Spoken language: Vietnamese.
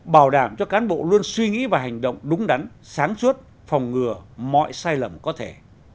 bảo đảm cho cán bộ luôn suy nghĩ và hành động đúng đắn sáng suốt phòng ngừa mọi sai lầm có thể